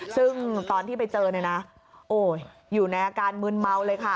ซึ่งตอนที่ไปเจออยู่ในอาการมืนเมาเลยค่ะ